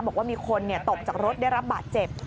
บอกว่ามีคนตกจากรถได้รับบาดเจ็บ